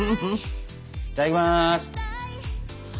いただきます。